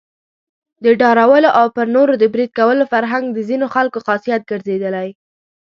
د ډارولو او پر نورو د بريد کولو فرهنګ د ځینو خلکو خاصيت ګرځېدلی.